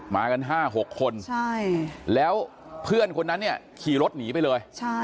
มากัน๕๖คนแล้วเพื่อนคนนั้นเนี่ยขี่รถหนีไปเลย